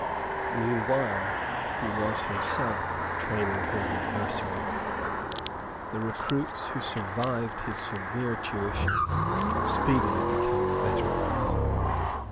Meanwhile he was himself training his adversaries. The recruits who survived his severe tuition speedily became veterans.